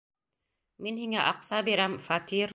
Мин һиңә аҡса бирәм, фатир.